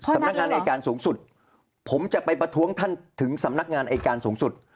สำนักงานอายการสูงสุดผมจะไปประท้วงท่านถึงสำนักงานอายการสูงสุด